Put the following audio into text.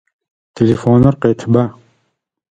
Телефоныр къетба!